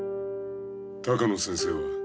鷹野先生は。